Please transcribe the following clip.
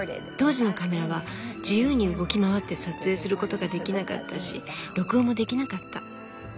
当時のカメラは自由に動き回って撮影することができなかったし録音もできなかった。